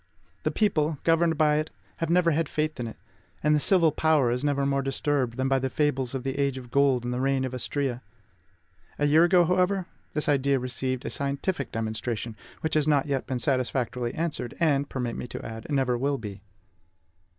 The people, governed by it, never have had faith in it; and the civil power is never more disturbed than by the fables of the age of gold and the reign of Astrea. A year ago, however, this idea received a scientific demonstration, which has not yet been satisfactorily answered, and, permit me to add, never will be.